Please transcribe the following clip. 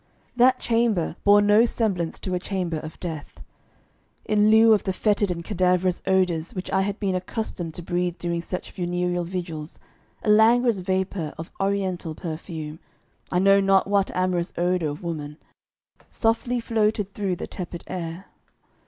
That chamber bore no semblance to a chamber of death. In lieu of the fetid and cadaverous odours which I had been accustomed to breathe during such funereal vigils, a languorous vapour of Oriental perfume I know not what amorous odour of woman softly floated through the tepid air.